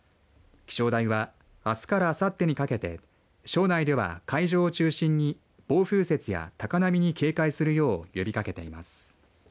気象台はあすからあさってにかけて庄内では海上を中心に暴風雪や高波に警戒するよう呼びかけています。